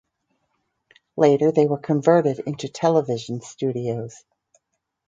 Later they were converted into television studios.